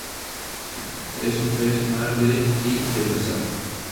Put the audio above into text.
Es un pez mar de y demersal.